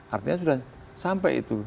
artinya sudah sampai itu